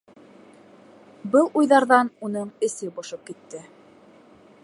Был уйҙарҙан уның эсе бошоп китте.